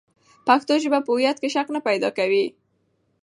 پښتو ژبه په هویت کې شک نه پیدا کوي.